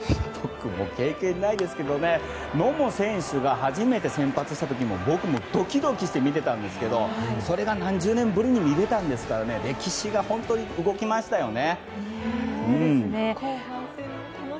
僕も経験ないですけど野茂選手が初めて先発した時も僕もドキドキして見ていたんですけどそれが何十年ぶりに見れたんですから歴史が本当に動きましたよね。